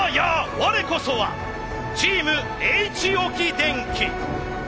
我こそはチームＨ置電機。